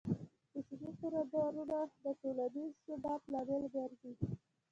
کوچني کاروبارونه د ټولنیز ثبات لامل ګرځي.